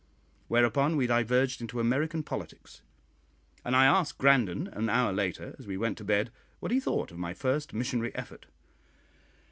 Whereupon we diverged into American politics; and I asked Grandon an hour later, as we went to bed, what he thought of my first missionary effort.